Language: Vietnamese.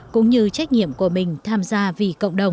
cũng như trách nhiệm của mình tham gia vì cộng đồng